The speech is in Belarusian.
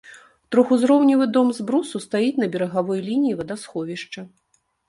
Трохузроўневы дом з брусу стаіць на берагавой лініі вадасховішча.